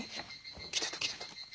来てた来てた。